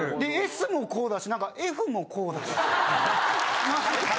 ＳもこうだしなんかＦもこうだし。